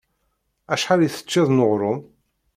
Acḥal i teččiḍ n uɣrum?